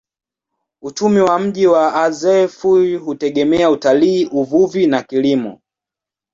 Uchumi wa mji wa Azeffou hutegemea utalii, uvuvi na kilimo.